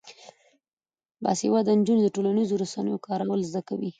باسواده نجونې د ټولنیزو رسنیو کارول زده کوي.